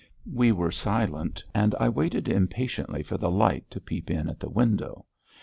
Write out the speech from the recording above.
We were silent and I waited impatiently for the light to peep in at the window.